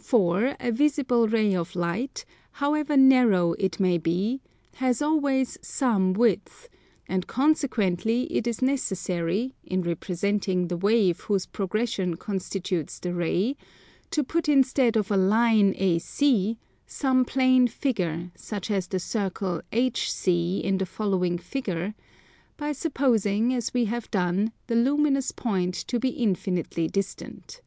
For a visible ray of light, however narrow it may be, has always some width, and consequently it is necessary, in representing the wave whose progression constitutes the ray, to put instead of a line AC some plane figure such as the circle HC in the following figure, by supposing, as we have done, the luminous point to be infinitely distant.